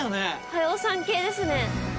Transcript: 駿さん系ですね。